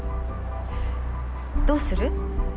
どうする？